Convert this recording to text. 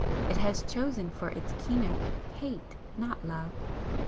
It has chosen for its keynote Hate, not Love!